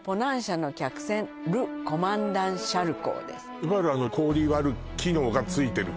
いわゆるあの氷割る機能がついてる船？